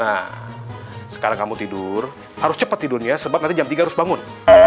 nah sekarang kamu tidur harus cepat tidurnya sebab nanti jam tiga harus bangun